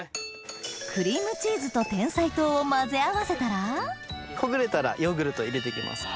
クリームチーズと甜菜糖を混ぜ合わせたらほぐれたらヨーグルト入れて行きます。